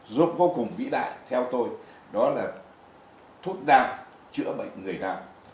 giúp vô cùng vĩ đại theo tôi đó là thuốc nam chữa bệnh người nam